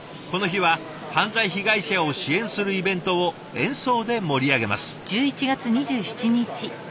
この日は犯罪被害者を支援するイベントを演奏で盛り上げます。